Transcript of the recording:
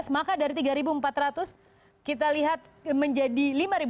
maka dari tiga empat ratus kita lihat menjadi lima ratus